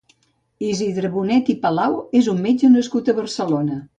Isidre Bonet i Palau és un metge nascut a Barcelona.